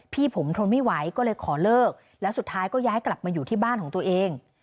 พี่ผมทนไม่ไหวก็เลยขอเลิกแล้วสุดท้ายก็ย้ายกลับมาอยู่ที่บ้านของตัวเอง